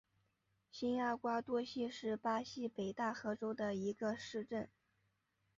新阿瓜多西是巴西北大河州的一个市镇。